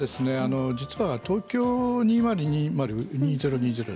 実は東京２０２０